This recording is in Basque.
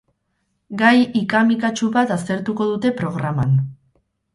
Gai ika-mikatsu bat aztertuko dute progarman.